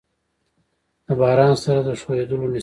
د باران سره د خوييدلو نسبت